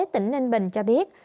tỉnh ninh bình cho biết